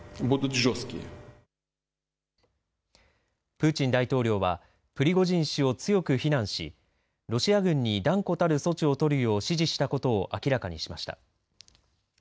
プーチン大統領はプリゴジン氏を強く非難しロシア軍に断固たる措置を取るよう指示したことを明らかにしました。